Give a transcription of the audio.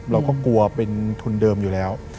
เราก็กลัวเป็นทุนเดิมอยู่แล้ว